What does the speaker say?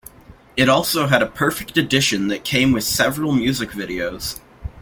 It also had a "Perfect Edition" that came with several music videos.